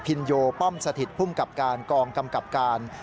ินโยป้อมสถิตภูมิกับการกองกำกับการ